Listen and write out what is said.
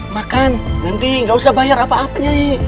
makan nanti gak usah bayar apa apa nyai